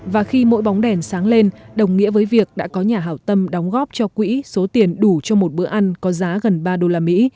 và khi mỗi bóng đèn sáng lên đồng nghĩa với việc đã có nhà hảo tâm đóng góp cho quỹ số tiền đủ cho một bữa ăn có giá gần ba usd